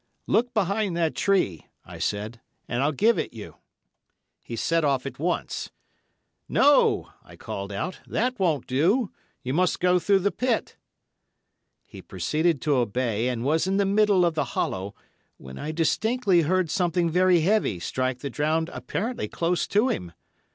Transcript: "Look behind that tree," I said, "and I'll give it you." He set off at once. "No," I called out, "that won't do; you must go through the pit." He proceeded to obey, and was in the middle of the hollow, when I distinctly heard something very heavy strike the ground apparently close to him.